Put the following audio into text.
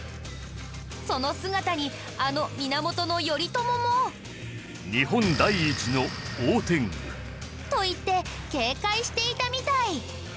その姿にあの源頼朝も。と言って警戒していたみたい。